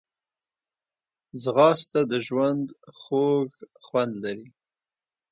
ځغاسته د ژوند خوږ خوند لري